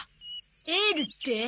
エールって？